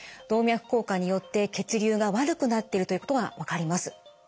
動脈硬化によって血流が悪くなってるということが分かります。